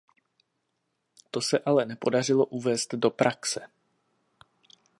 To se ale nepodařilo uvést do praxe.